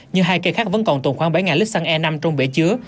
nhưng hai cây khác vẫn còn tồn khoảng bảy lít xăng e năm trong bể chứa